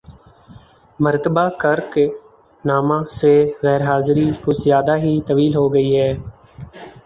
مرتبہ کرک نامہ سے غیر حاضری کچھ زیادہ ہی طویل ہوگئی ہے